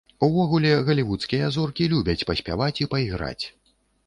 Увогуле, галівудскія зоркі любяць паспяваць і пайграць.